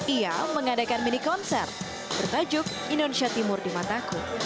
ia mengadakan mini konser bertajuk indonesia timur di mataku